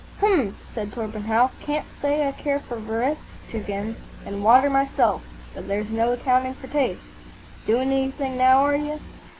"H'm!" said Torpenhow, "can't say I care for Verestchagin and water myself, but there's no accounting for tastes. Doing anything now, are you?"